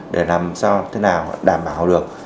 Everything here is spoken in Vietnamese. để làm sao thế nào đảm bảo được